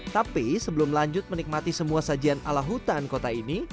tapi sebelum lanjut menikmati semua sajian ala hutan kota ini